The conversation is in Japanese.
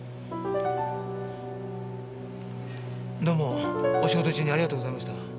どうもお仕事中にありがとうございました。